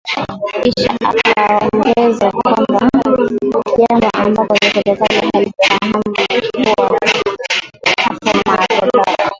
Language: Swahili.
Kisha akaongeza kwamba jambo ambalo serikali hailifahamu ni kuwa hapa Marondera